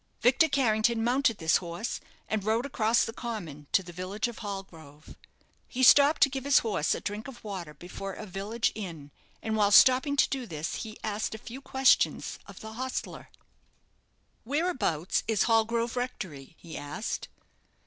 Victor Carrington mounted this horse, and rode across the Common to the village of Hallgrove. He stopped to give his horse a drink of water before a village inn, and while stopping to do this he asked a few questions of the ostler. "Whereabouts is Hallgrove Rectory?" he asked.